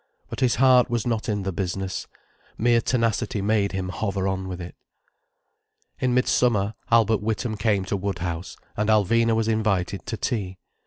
But his heart was not in the business. Mere tenacity made him hover on with it. In midsummer Albert Witham came to Woodhouse, and Alvina was invited to tea.